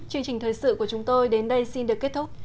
chương trình thời sự của chúng tôi đến đây xin được kết thúc